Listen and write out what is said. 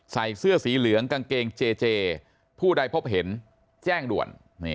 ใส่เสื้อสีเหลืองกางเกงเจเจผู้ใดพบเห็นแจ้งด่วน